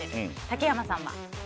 竹山さんは。